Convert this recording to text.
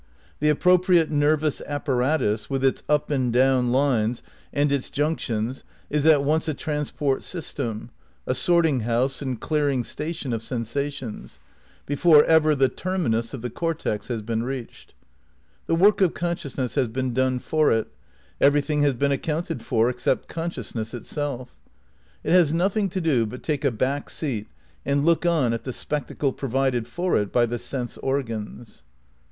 The appropriate nerv ous apparatus, with its up and down lines and its junc ^ Studies in Neurology: Sensation and the Cerebral Cortex. Ortiz 262 THE NEW IDEALISM viii tions, is at onoe a transport system, a sorting house and clearing station of sensations, before ever the ter minus of the cortex has been reached. The work of consciousness has been done for it; everything has been accounted for — except consciousness itself. It has nothing to do but take a back seat and look on at the spectacle provided for it by the sense organs.